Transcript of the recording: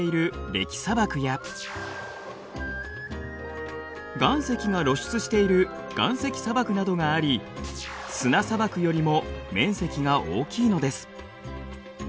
砂漠や岩石が露出している岩石砂漠などがあり砂砂漠よりも面積が大きいのです。